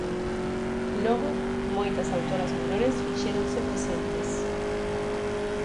Logo, moitas autoras menores fixéronse presentes.